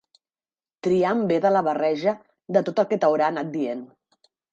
Triant bé de la barreja de tot el que t'haurà anat dient